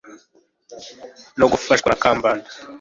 no gufashwa na kambanda